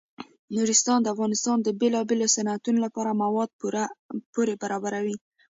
نورستان د افغانستان د بیلابیلو صنعتونو لپاره مواد پوره برابروي.